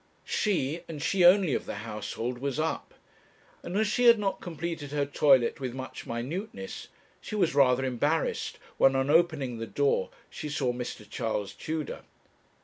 She, and she only of the household, was up, and as she had not completed her toilet with much minuteness, she was rather embarrassed when, on opening the door, she saw Mr. Charles Tudor.